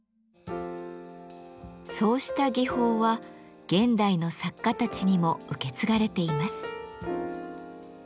そうした技法は現代の作家たちにも受け継がれています。